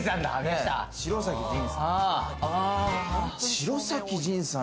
城咲仁さん。